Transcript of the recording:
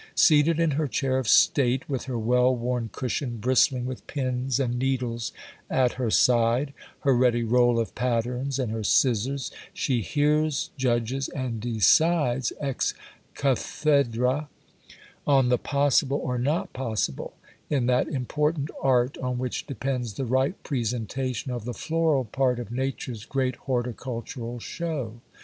Seated in her chair of state, with her well worn cushion bristling with pins and needles at her side, her ready roll of patterns and her scissors, she hears, judges, and decides ex cathedrâ on the possible or not possible, in that important art on which depends the right presentation of the floral part of Nature's great horticultural show.